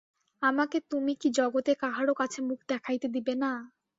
আমাকে তুমি কি জগতে কাহারো কাছে মুখ দেখাইতে দিবে না।